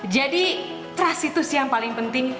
jadi trust itu sih yang paling penting